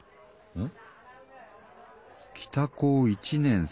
うん？